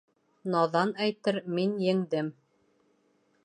Наҙан әйтер «мин еңдем»